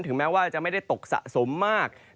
แม้ว่าจะไม่ได้ตกสะสมมาก